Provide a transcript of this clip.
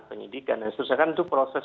penyidikan dan seterusnya kan itu proses